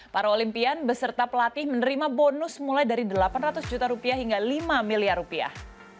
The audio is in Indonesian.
para olimpian beserta pelatih menerima bonus mulai dari delapan ratus juta rupiah hingga lima miliar rupiah